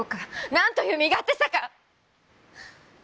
何という身勝手さか！